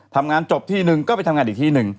ทำงานจบที่หนึ่งก็ไปทำงานอีกที่หนึ่ง